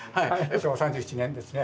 昭和３７年ですね。